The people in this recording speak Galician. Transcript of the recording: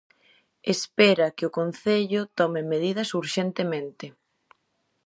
Espera que o Concello tome medidas urxentemente.